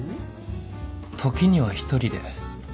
時には１人で